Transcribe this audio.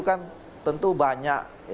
kan tentu banyak